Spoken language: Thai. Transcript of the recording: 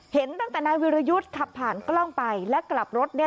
เห็นตั้งแต่นายวิรยุทธ์ขับผ่านกล้องไปและกลับรถ